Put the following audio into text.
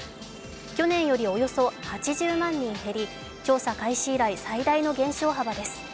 去年よりおよそ８０万人減り、調査開始以来、最大の減少幅です。